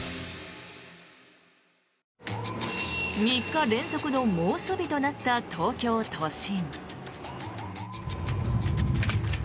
３日連続の猛暑日となった東京都心。